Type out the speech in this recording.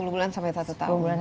sepuluh bulan sampai satu tahun